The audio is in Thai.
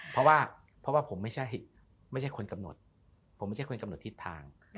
เพราะว่าเพราะว่าผมไม่ใช่คนกำหนดผมไม่ใช่คนกำหนดทิศทาง